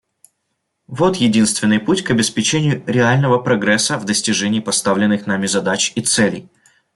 Вот единственный путь к обеспечению реального прогресса в достижении поставленных нами задач и целей.